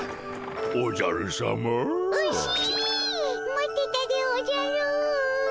待ってたでおじゃる。